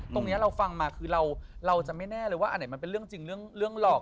ตรงนี้เราฟังมาคือเราจะไม่แน่เลยว่าอันไหนมันเป็นเรื่องจริงเรื่องหลอก